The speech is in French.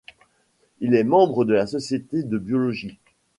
Il est membre de la Société de biologie.